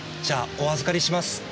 じゃあお預りします。